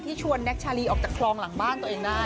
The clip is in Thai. ชวนแน็กชาลีออกจากคลองหลังบ้านตัวเองได้